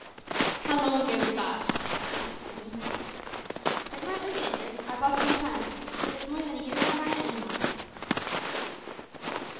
"How long ago was that?" asked the captain. "Couldn't rightly say, sir, I've lost count o' time, but it's more than a year gone by anyhow."